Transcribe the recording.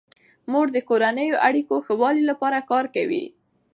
مور د کورنیو اړیکو ښه والي لپاره کار کوي.